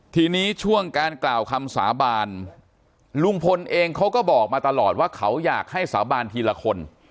ทีนี้ช่วงการกล่าวคำสาบานลุงพลเองเขาก็บอกมาตลอดว่าเขาอยากให้สาบานทีละคน